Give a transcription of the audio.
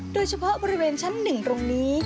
โดยเฉพาะบริเวณชั้น๑ตรงนี้